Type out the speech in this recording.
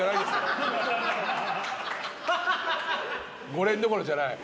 ５連どころじゃない。